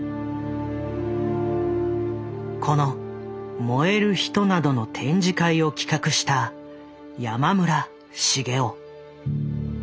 この「燃える人」などの展示会を企画した山村茂雄。